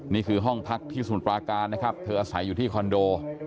นี่คือห้องพักที่สมุทรปราการนะครับเธออาศัยอยู่ที่คอนโด